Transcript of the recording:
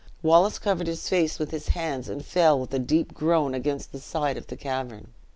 Wallace covered his face with his hands and fell with a deep groan against the side of the cavern.